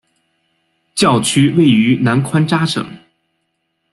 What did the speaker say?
教区位于南宽扎省。